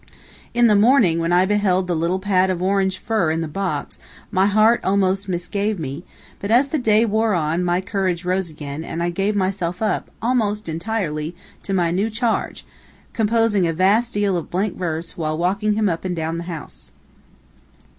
In the morning, when I beheld the little pad of orange fur in the box, my heart almost misgave me, but as the day wore on, my courage rose again, and I gave myself up, almost entirely, to my new charge, composing a vast deal of blank verse, while walking him up and down the house.